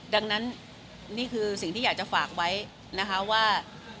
ดังนั้นนี่คือสิ่งที่อยากจะฝากไว้นะคะว่า